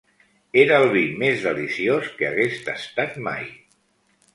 Era el vi més deliciós que hagués tastat mai.